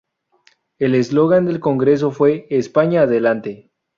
El eslogan del Congreso fue "España, adelante".